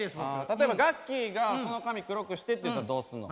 例えばガッキーがその髪黒くしてって言ったらどうすんの？